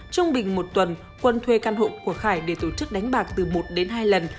trung bình một tuần quân thuê căn hộ của khải để tổ chức đánh bạc từ một đến hai lần